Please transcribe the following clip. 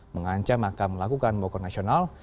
mengancam akan melakukan mokok nasional